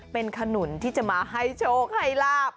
เป็นขนุนที่จะมาให้โชคให้ลาบ